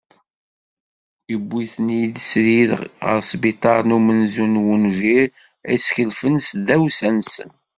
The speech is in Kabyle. Uwin-ten srid ɣer sbiṭar n umenzu n wunbir ad skelfen s tdawsa-nsen.